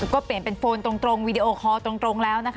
ก็เปลี่ยนเป็นโฟนตรงวีดีโอคอลตรงแล้วนะคะ